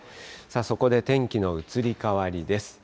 そこで天気の移り変わりです。